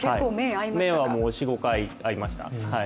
目は４５回合いました。